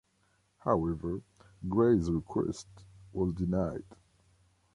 However, Gray's request was denied.